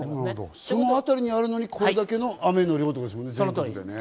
その辺りにあるのにこれだけの雨の量ってことですね。